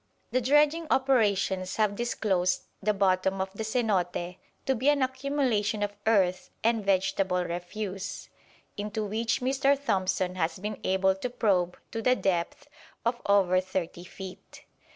The dredging operations have disclosed the bottom of the cenote to be an accumulation of earth and vegetable refuse, into which Mr. Thompson has been able to probe to the depth of over thirty feet.